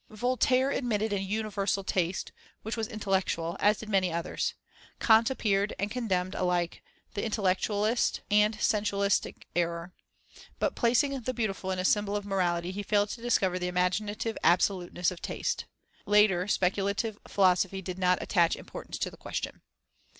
Voltaire admitted an "universal taste," which was "intellectual," as did many others. Kant appeared, and condemned alike the intellectualist and the sensualistic error; but placing the beautiful in a symbol of morality, he failed to discover the imaginative absoluteness of taste. Later speculative philosophy did not attach importance to the question.